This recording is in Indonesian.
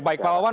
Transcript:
baik pak wawan